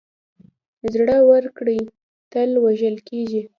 زړه ور وګړي تل وژل کېږي.